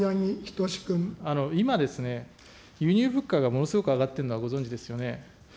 今ですね、輸入物価がものすごく上がってるのはご存じですよね。